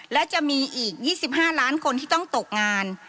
และจะมีอีก๒๕ล้านคนที่ต้องตกงาน